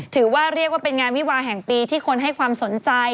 ถือว่าเรียกว่าเป็นงานวิวาแห่งปีที่คนให้ความสนใจ